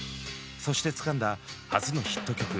そしてつかんだ初のヒット曲